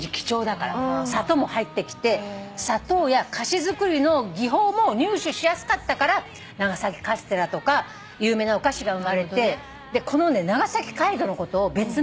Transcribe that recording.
砂糖も入ってきて砂糖や菓子作りの技法も入手しやすかったから長崎カステラとか有名なお菓子が生まれてこの長崎街道のことを別名シュガーロードって。